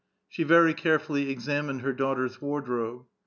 She very carefully examined her daughter's wardrobe.